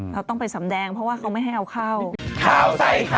เราต้องไปสำแดงเพราะว่าเขาไม่ให้เอาข้าว